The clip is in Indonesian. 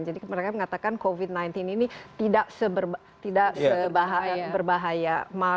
jadi mereka mengatakan covid sembilan belas ini tidak seberbahaya